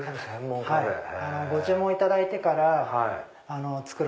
ご注文いただいてから作る。